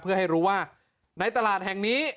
เพื่อให้รู้ว่าในตลาดแห่งนี้